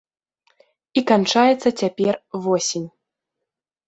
І канчаецца цяпер восень.